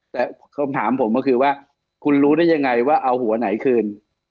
แต่คำถามผมก็คือว่าคุณรู้ได้ยังไงว่าเอาหัวไหนคืน